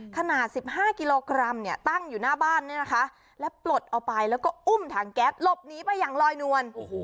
ขนาด๑๕กิโลกรัมเนี่ยตั้งอยู่หน้าบ้านเนี่ยนะคะแล้วปลดเอาไปแล้วก็อุ้มถังแก๊สหลบหนีไปอย่างลอยนวล